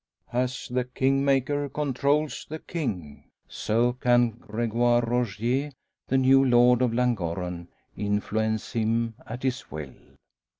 As the King mater controls the King, so can Gregoire Rogier the new Lord of Llangorren influence him at his will.